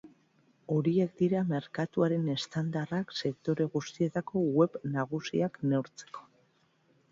Horiek dira merkatuaren estandarra sektore guztietako web nagusiak neurtzeko.